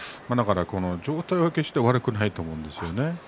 状態は決して悪くないと思いますよ。